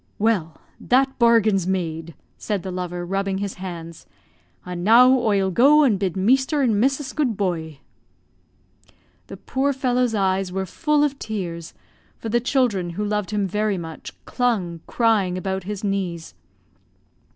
"Well, that bargain's made," said the lover, rubbing his hands; "and now oie'll go and bid measter and missus good buoy." The poor fellow's eyes were full of tears, for the children, who loved him very much, clung, crying, about his knees.